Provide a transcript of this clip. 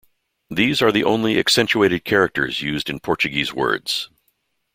These are the only accentuated characters used in Portuguese words.